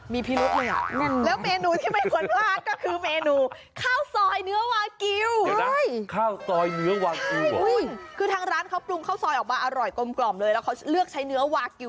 มีพี่รูปหรือไม่อ่านั่งว่ะแล้วเมนูที่ไม่ผลพลาดก็คือเมนูข้าวซอยเนื้อวากิว